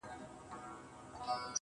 o زه به دي تل په ياد کي وساتمه.